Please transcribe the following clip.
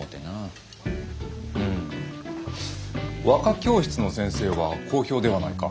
ふん和歌教室の先生は好評ではないか。